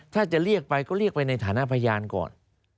ถ้าจะเรียกไปก็เรียกไปในฐานะพยานก่อน